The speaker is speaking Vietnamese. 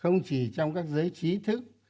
không chỉ trong các giới trí thức